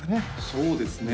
そうですね